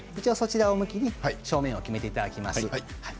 こちら向きに正面を決めていただきます。